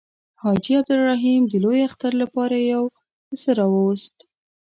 حاجي عبدالرحیم د لوی اختر لپاره یو پسه راووست.